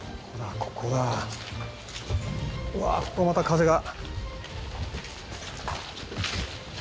うわっここもまた風が。